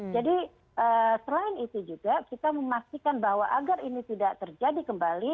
jadi selain itu juga kita memastikan bahwa agar ini tidak terjadi kembali